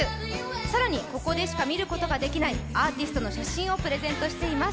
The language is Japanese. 更にここでしか見ることができないアーティストの写真をプレゼントしています。